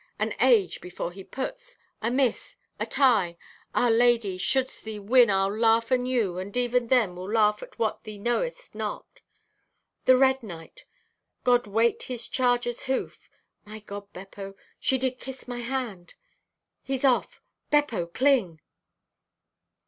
An age before he puts! A miss! A tie! Ah, lady, should'st thee win I'll laugh anew and even then will laugh at what thee knowest not. "The red knight! God weight his charger's hoof! (My God, Beppo, she did kiss my hand!) "He's off! Beppo, cling!"